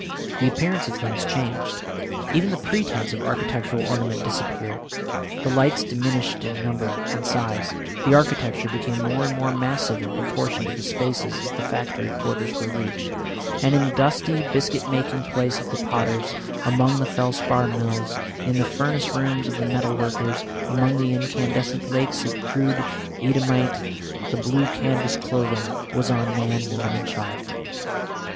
The appearance of things changed. Even the pretence of architectural ornament disappeared, the lights diminished in number and size, the architecture became more and more massive in proportion to the spaces as the factory quarters were reached. And in the dusty biscuit making place of the potters, among the felspar mills, in the furnace rooms of the metal workers, among the incandescent lakes of crude Eadhamite, the blue canvas clothing was on man, woman and child.